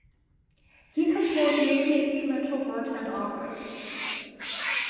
He composed mainly instrumental works and operas.